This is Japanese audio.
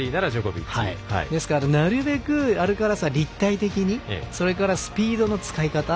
ですから、なるべくアルカラスは立体的にそれからスピードの使い方。